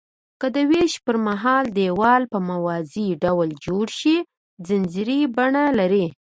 که ویش پرمهال دیوال په موازي ډول جوړ شي ځنځیري بڼه لري.